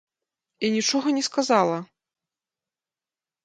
І нічога не сказала.